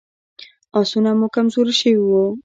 آسونه مو کمزوري شوي وو.